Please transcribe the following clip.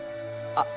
あっ！